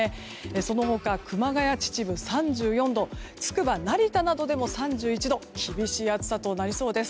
その他、熊谷、秩父、３４度つくば、成田などでも３１度厳しい暑さとなりそうです。